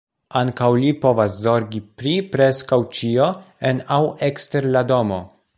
Ankaŭ li povas zorgi pri preskaŭ ĉio en aŭ ekster la domo.